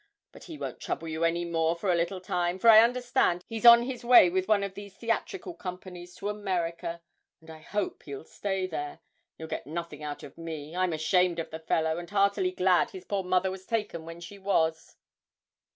But he won't trouble you any more for a little time, for I understand he's on his way with one of these theatrical companies to America, and I hope he'll stay there he'll get nothing out of me, I'm ashamed of the fellow, and heartily glad his poor mother was taken when she was.'